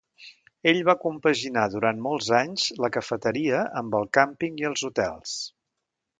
Ell va compaginar durant molts anys la cafeteria amb el càmping i els hotels.